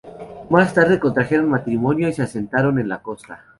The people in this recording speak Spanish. Más tarde contrajeron matrimonio y se asentaron en la costa.